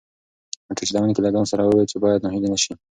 موټر چلونکي له ځان سره وویل چې باید ناهیلی نشي.